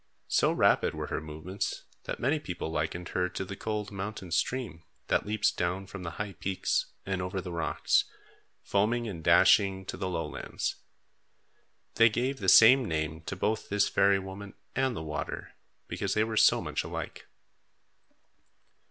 So rapid were her movements that many people likened her to the cold mountain stream, that leaps down from the high peaks and over the rocks, foaming and dashing to the lowlands. They gave the same name to both this fairy woman and the water, because they were so much alike.